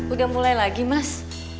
udah mulai lagi mas